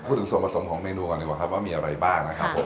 พูดถึงส่วนผสมของเมนูก่อนดีกว่าครับว่ามีอะไรบ้างนะครับผม